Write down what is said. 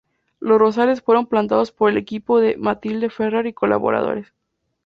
Los rosales fueron plantados por el equipo de "Matilde Ferrer" y colaboradores.